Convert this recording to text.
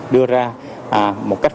đưa ra một cách